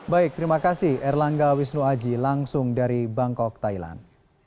baik terima kasih erlangga wisnu aji langsung dari bangkok thailand